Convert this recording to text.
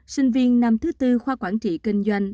sinh viên năm thứ tư khoa quản trị kinh doanh